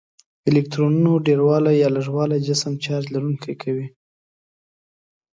الکترونونو ډیروالی یا لږوالی جسم چارج لرونکی کوي.